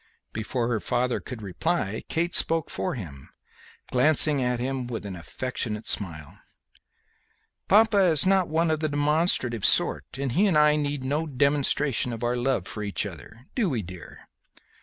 Before her father could reply Kate spoke for him, glancing at him with an affectionate smile: "Papa is not one of the demonstrative sort, and he and I need no demonstration of our love for each other; do we, dear?"